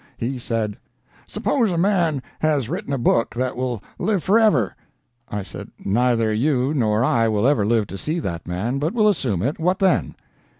"He said: 'Suppose a man has written a book that will live for ever?' "I said: 'Neither you nor I will ever live to see that man, but we'll assume it. What then?'